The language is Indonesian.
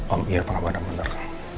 om irfan benar benar